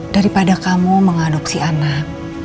daripada kamu mengadopsi anak